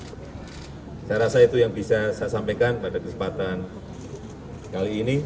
saya rasa itu yang bisa saya sampaikan pada kesempatan kali ini